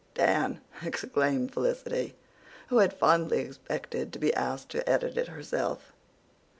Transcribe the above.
"Dan!" exclaimed Felicity, who had fondly expected to be asked to edit it herself.